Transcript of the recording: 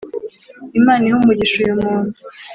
imana ihe umugisha uyu muntu